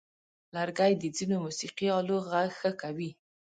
لرګی د ځینو موسیقي آلو غږ ښه کوي.